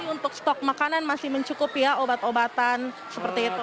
untuk stok makanan masih mencukupi ya obat obatan seperti itu